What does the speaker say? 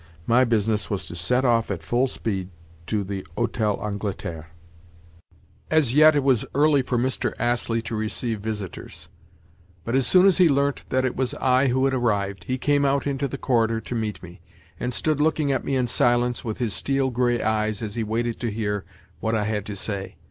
My business was to set off at full speed to the Hôtel d'Angleterre. As yet it was early for Mr. Astley to receive visitors; but, as soon as he learnt that it was I who had arrived, he came out into the corridor to meet me, and stood looking at me in silence with his steel grey eyes as he waited to hear what I had to say.